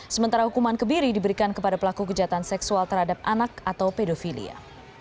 sementara hukuman kebiri diberikan kepada pelaku kejahatan seksual terhadap anak atau pedofilia